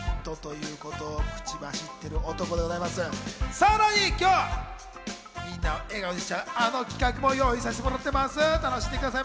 さらに今日、みんなを笑顔にしちゃうあの企画も用意させてもらってます。